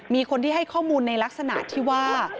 มีคนที่ให้ข้อมูลในลักษณะที่ว่า